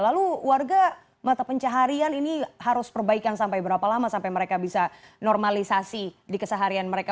lalu warga mata pencaharian ini harus perbaikan sampai berapa lama sampai mereka bisa normalisasi di keseharian mereka